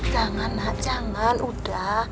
jangan nak jangan udah